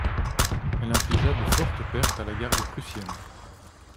Elle infligea de fortes pertes à la garde prussienne.